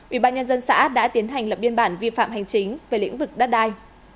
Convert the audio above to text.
ủy ban nhân dân xã đã tiến hành lập biên bản vi phạm hành chính về lĩnh vực đất đai